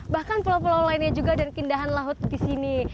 bahkan pulau pulau lainnya juga dan keindahan laut di sini